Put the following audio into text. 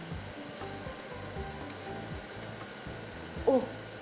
おっ。